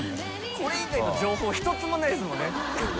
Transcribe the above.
これ以外の情報１つもないですもんね。